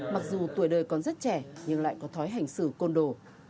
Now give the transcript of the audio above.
mặc dù tuổi đời còn rất trẻ nhưng lại có thói hành xử côn đồ